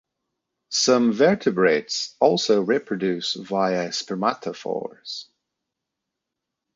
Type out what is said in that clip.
Some vertebrates also reproduce via spermatophores.